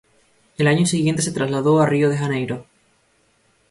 Al año siguiente se trasladó a Río de Janeiro.